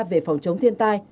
về phòng chống thiên tai